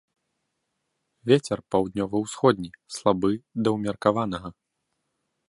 Вецер паўднёва-ўсходні, слабы да ўмеркаванага.